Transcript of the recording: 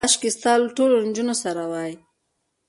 کاشکې ستا له ټولو نجونو سره وای.